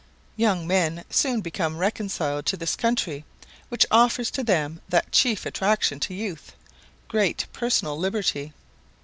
Young men soon become reconciled to this country, which offers to them that chief attraction to youth, great personal liberty.